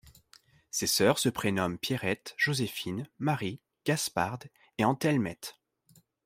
Ses sœurs se prénomment Pierrette, Joséphine, Marie, Gasparde et Antelmette.